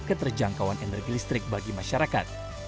keterjangkauan energi listrik bagi masyarakat